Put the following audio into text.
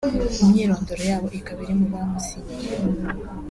imyirondoro yabo ikaba iri mu bamusinyiye